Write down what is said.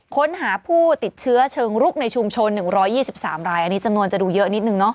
ค้นหาผู้ติดเชื้อเชิงรุกในชุมชน๑๒๓รายอันนี้จำนวนจะดูเยอะนิดนึงเนาะ